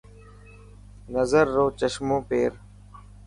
نظر رو چشمو پير.